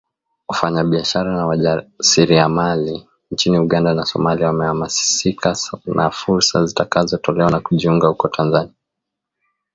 Wafanyabiashara na wajasiriamali nchini Uganda na somlia wamehamasika na fursa zitakazoletwa na kujiunga huko Tanzania